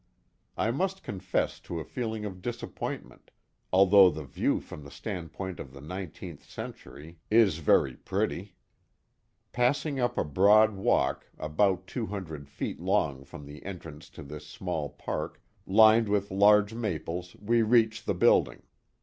I must confess to a feeling of disappointment, although the view from the standpoint of the nineteenth century is very Johnstown, New York 201 pretty. Passing up a broad walk, about two hundred feet long from the entrance to this sniall park, lined with large maples, we reach the building.